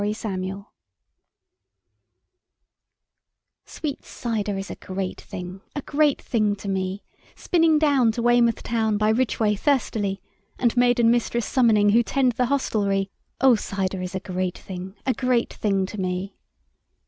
GREAT THINGS SWEET cyder is a great thing, A great thing to me, Spinning down to Weymouth town By Ridgway thirstily, And maid and mistress summoning Who tend the hostelry: O cyder is a great thing, A great thing to me!